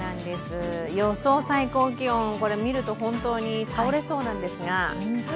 予想最高気温これ見ると、本当に倒れそうなんですが。